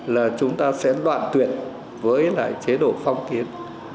là chúng ta sẽ đoạn tuyển với lại chế độ phong kiến